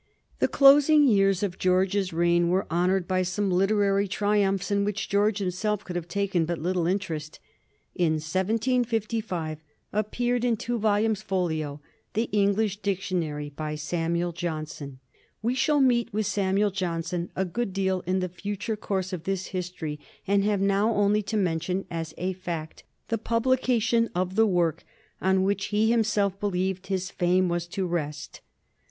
The closing years of George's reign were honored by some literary triumphs in which George himself could have taken but little interest. In 1755 appeared, in two volumes folio, the English Dictionary by Samuel Johnson. We shall meet with Samuel Johnson a good deal in the future course of this history, and have now only to men tion as a fact the publication of the work on which he himself believed his fame was to rest.